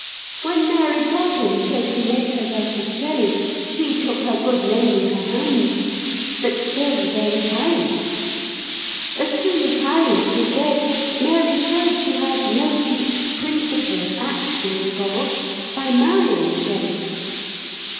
When Mary Godwin chose to mate herself with Shelley, she took her good name in her hands;—but still there was Harriet. As soon as Harriet was dead, Mary showed she had no deep principle of action involved, by marrying Shelley.